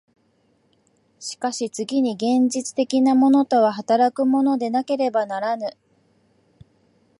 しかし次に現実的なものとは働くものでなければならぬ。